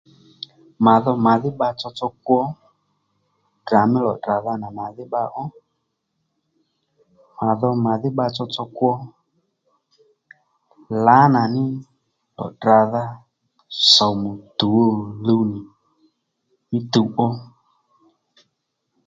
Mà dho mà dhí bba tsotso kwo Ddrà mí lò tdràdha nà màdhí bbalè dho à dho màdhí bba tsotso kwo lanà ní ràdha somu tuw ò luw ní mì tuw ó